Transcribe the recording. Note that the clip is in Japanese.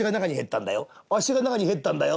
あっしが中に入ったんだよ。